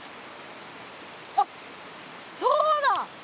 あそうだ！